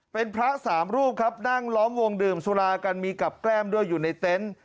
เป็นพระสามรูปครับนั่งล้อมวงดื่มสุรากันมีกับแก้มด้วยอยู่ในเต็นต์